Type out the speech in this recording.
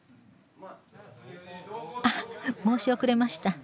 あっ申し遅れました。